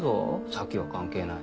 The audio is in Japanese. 咲は関係ない。